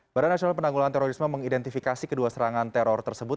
badan nasional penanggulan terorisme mengidentifikasi kedua serangan teror tersebut